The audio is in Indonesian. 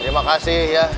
terima kasih ya